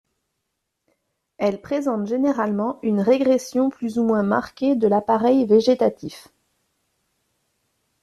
Elles présentent généralement une régression plus ou moins marquée de l'appareil végétatif.